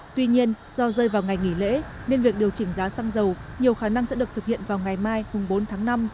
tuy nhiên do rơi vào ngày nghỉ lễ nên việc điều chỉnh giá xăng dầu nhiều khả năng sẽ được thực hiện vào ngày mai bốn tháng năm